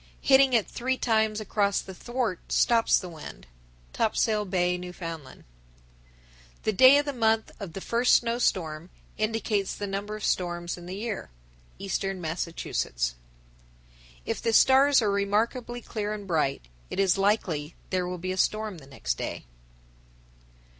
Hitting it three times across the thwart stops the wind. Topsail Bay, N.F. 1068. The day of the month of the first snowstorm indicates the number of storms in the year. Eastern Massachusetts. 1069. If the stars are remarkably clear and bright, it is likely there will be a storm the next day.